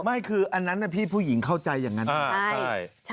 ไม่คืออันนั้นนะพี่ผู้หญิงเข้าใจอย่างนั้น